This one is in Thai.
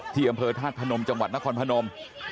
ที่อำเภอธาตุพนมจังหวัดนครพนม